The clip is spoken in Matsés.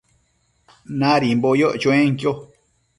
Nadimbo yoc chuenquio